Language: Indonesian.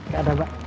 gak ada mbak